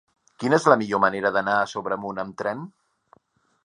Quina és la millor manera d'anar a Sobremunt amb tren?